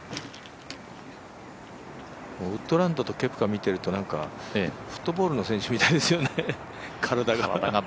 ウッドランドとケプカを見ているとフットボールの選手みたいですよね、体が。